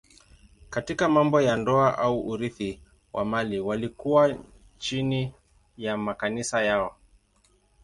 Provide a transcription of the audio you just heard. Katika mambo ya ndoa au urithi wa mali walikuwa chini ya makanisa yao.